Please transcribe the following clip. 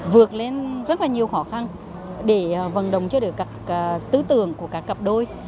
vượt lên rất là nhiều khó khăn để vận động cho được tư tưởng của các cặp đôi